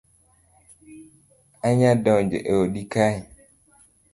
Anya donjo e odi kae